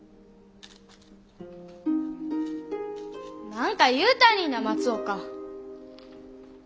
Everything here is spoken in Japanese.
何か言うたりぃな松岡！